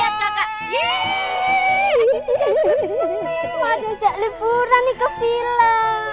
aku juga seneng seneng mau ajajak liburan nih ke villa